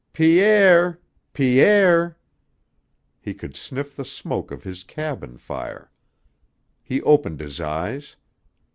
"Pi erre! Pi erre!" He could sniff the smoke of his cabin fire. He opened his eyes.